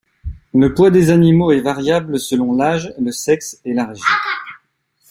Le poids des animaux est variable selon l'âge, le sexe et la région.